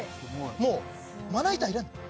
もうまな板いらない